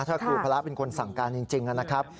ถ้าครูพระเป็นคนสั่งการจริงนะครับ